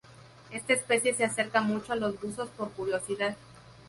Esta especie se acerca mucho a los buzos por curiosidad.